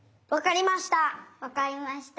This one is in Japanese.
わかりました！